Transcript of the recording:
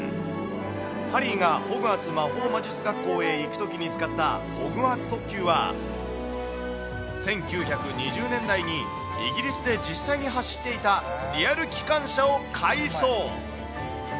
ハリーがホグワーツ魔法魔術学校へ行くときに使った、ホグワーツ特急は、１９２０年代に、イギリスで実際に走っていたリアル機関車を改装。